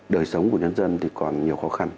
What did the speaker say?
đời sống của nhân dân còn nhiều khó khăn